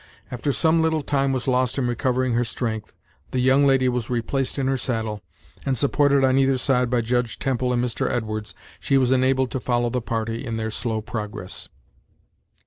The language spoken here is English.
After some little time was lost in recovering her strength, the young lady was replaced in her saddle, and supported on either side by Judge Temple and Mr. Edwards she was enabled to follow the party in their slow progress.